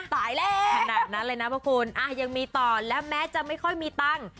ตายแล้วขนาดนั้นเลยนะพระคุณยังมีต่อและแม้จะไม่ค่อยมีตังค์